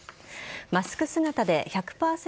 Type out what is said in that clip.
マスク姿で、１００％